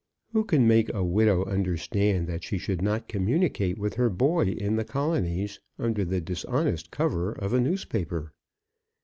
Who can make a widow understand that she should not communicate with her boy in the colonies under the dishonest cover of a newspaper?